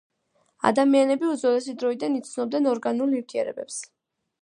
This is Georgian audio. ადამიანები უძველესი დროიდან იცნობდნენ ორგანულ ნივთიერებებს.